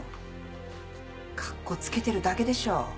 かっこつけてるだけでしょ。